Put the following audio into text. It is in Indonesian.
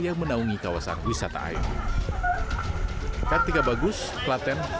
yang menaungi kawasan wisata air